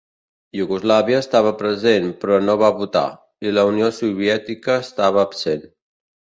Iugoslàvia estava present però no va votar, i la Unió Soviètica estava absent.